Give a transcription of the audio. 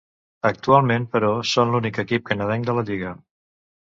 Actualment però, són l'únic equip canadenc de la lliga.